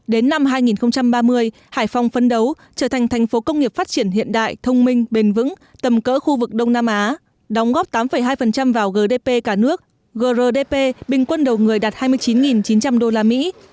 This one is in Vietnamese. đến năm hai nghìn ba mươi hải phòng phấn đấu trở thành thành phố công nghiệp phát triển hiện đại thông minh bền vững tầm cỡ khu vực đông nam á đóng góp tám hai vào gdp cả nước grdp bình quân đầu người đạt hai mươi chín chín trăm linh đô la mỹ